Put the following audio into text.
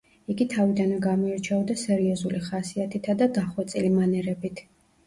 იგი თავიდანვე გამოირჩეოდა სერიოზული ხასიათითა და დახვეწილი მანერებით.